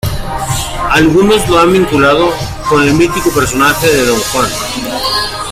Algunas lo han vinculado al mítico personaje de Don Juan.